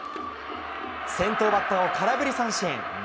先頭バッターを空振り三振。